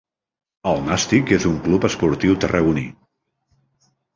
El Nàstic és un club esportiu tarragoní.